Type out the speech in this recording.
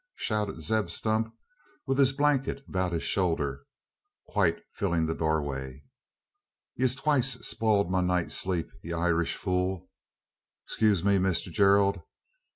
shouted Zeb Stump, with his blanket about his shoulder, quite filling the doorway. "Ye've twicest spiled my night's sleep, ye Irish fool! 'Scuse me, Mister Gerald!